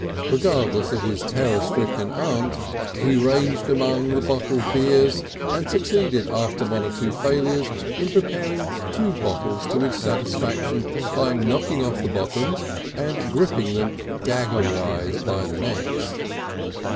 Regardless of his terror stricken aunt he ranged among the bottled beer and succeeded after one or two failures in preparing two bottles to his satisfaction by knocking off the bottoms, and gripping them dagger wise by the necks.